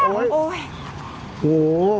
โอ้โห